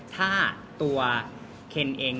ถ้าตัวเคนเอง